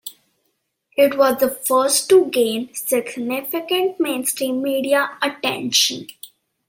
It was the first to gain significant mainstream media attention.